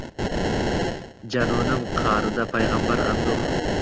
Jununim qa’rida payg’ambar – anduh